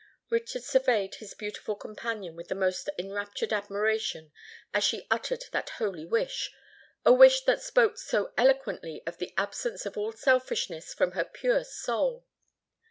Richard surveyed his beautiful companion with the most enraptured admiration, as she uttered that holy wish,—a wish that spoke so eloquently of the absence of all selfishness from her pure soul.